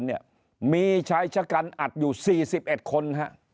เนี่ยมีชายชะกันอัดอยู่๔๑คน